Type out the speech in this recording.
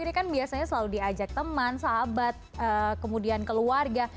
ini kan biasanya selalu diajak teman sahabat kemudian keluarga